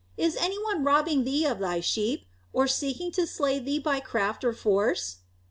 Is any one robbing thee of thy sheep, or seeking to slay thee by craft or force?"